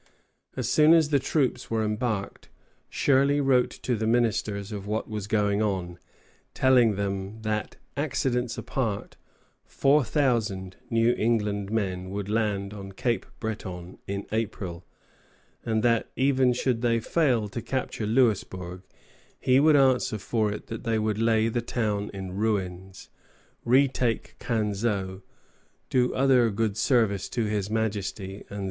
As soon as the troops were embarked, Shirley wrote to the ministers of what was going on, telling them that, accidents apart, four thousand New England men would land on Cape Breton in April, and that, even should they fail to capture Louisbourg, he would answer for it that they would lay the town in ruins, retake Canseau, do other good service to his Majesty, and then come safe home.